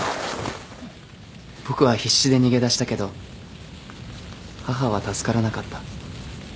僕は必死で逃げ出したけど母は助からなかった。